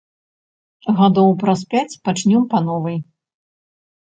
Гадоў праз пяць пачнём па новай.